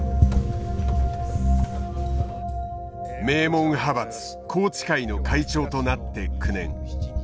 名門派閥宏池会の会長となって９年。